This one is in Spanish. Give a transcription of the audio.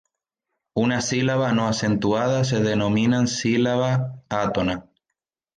Una sílaba no acentuada se denominan sílaba átona.